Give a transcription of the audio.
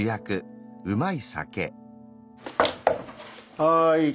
はい。